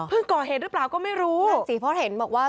ก่อเหตุหรือเปล่าก็ไม่รู้นั่นสิเพราะเห็นบอกว่า